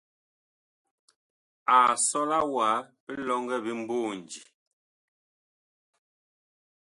A sɔla wa bilɔŋgɔ mboonji.